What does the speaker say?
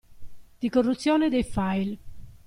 Di corruzione dei file.